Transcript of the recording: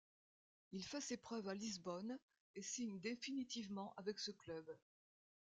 Il fait ses preuves à Lisbonne et signe définitivement avec ce club.